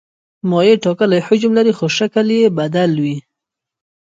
مایع ټاکلی حجم لري خو شکل یې بدلوي.